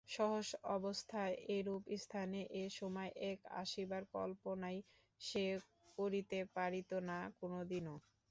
সহজ অবস্থায় এরূপ স্থানে এ-সময় এক আসিবার কল্পনাই সে করিতে পারিত না কোনদিনও।